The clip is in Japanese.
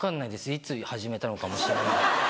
いつ始めたのかも知らない。